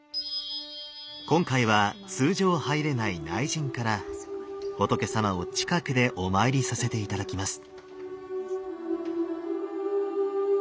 今回は通常入れない内陣から仏様を近くでお参りさせて頂きます。